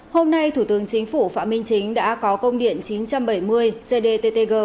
hôm nay thủ tướng chính phủ phạm minh chính đã có công điện chín trăm bảy mươi cdttg